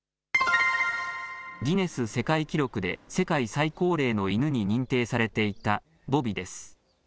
ギネス世界記録で、世界最高齢の犬に認定されていたボビです。